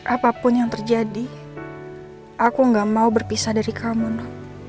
apapun yang terjadi aku gak mau berpisah dari kamu no